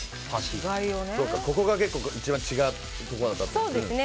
ここが一番違うところだったりするんですよね。